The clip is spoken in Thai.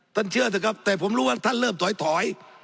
เชื่อเถอะครับแต่ผมรู้ว่าท่านเริ่มถอย